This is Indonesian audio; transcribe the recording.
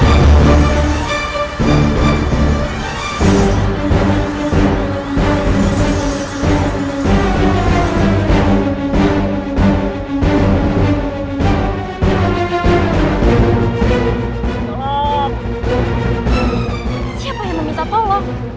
aku akan menangkapmu